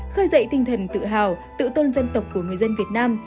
khơi dậy tinh thần tự hào tự tôn dân tộc của người dân việt nam